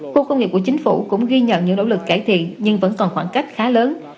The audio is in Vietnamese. khu công nghiệp của chính phủ cũng ghi nhận những nỗ lực cải thiện nhưng vẫn còn khoảng cách khá lớn